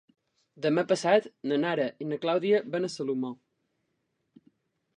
Demà passat na Nara i na Clàudia van a Salomó.